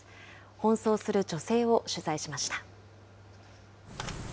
奔走する女性を取材しました。